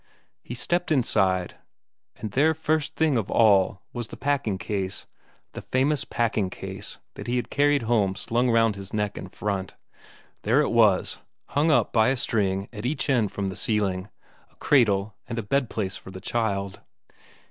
He stepped inside, and there first thing of all was the packing case the famous packing case that he had carried home slung round his neck in front; there it was, hung up by a string at each end from the ceiling, a cradle and a bedplace for the child.